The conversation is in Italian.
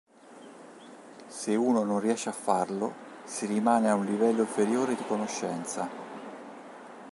Se uno non riesce a farlo, si rimane a un livello inferiore di conoscenza.